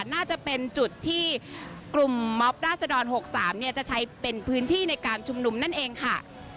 น่าจะเป็นจุดที่กลุ่มมอบราษฎร๖๓จะใช้เป็นพื้นที่ในการชุมนุมนั่นเองค่ะ